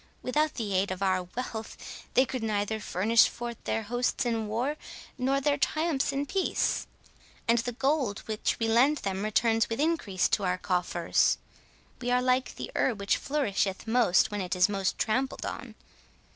Without the aid of our wealth, they could neither furnish forth their hosts in war, nor their triumphs in peace, and the gold which we lend them returns with increase to our coffers. We are like the herb which flourisheth most when it is most trampled on.